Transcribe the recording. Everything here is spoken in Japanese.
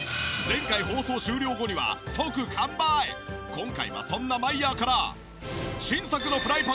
今回はそんなマイヤーから。